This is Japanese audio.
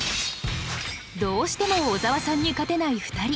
どうしても小沢さんに勝てない２人。